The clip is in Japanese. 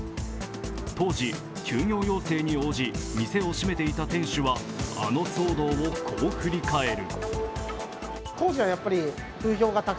当時、休業要請に応じ店を閉めていた店主はあの騒動をこう振り返る。